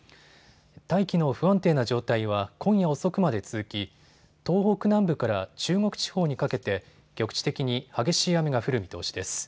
大気の不安定な状態は今夜遅くまで続き東北南部から中国地方にかけて局地的に激しい雨が降る見通しです。